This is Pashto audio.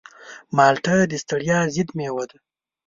مالټه د ستړیا ضد مېوه ده.